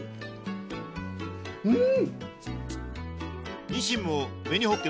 うん！